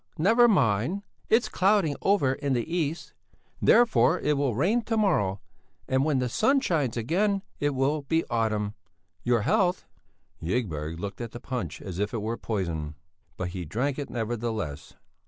Never mind! It's clouding over in the east, therefore it will rain to morrow; and when the sun shines again, it will be autumn. Your health!" Ygberg looked at the punch as if it were poison, but he drank it nevertheless.